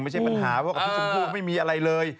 ไม่ใช่ปัญหาเพราะกับพี่ชมพู่ไม่มีอะไรเลย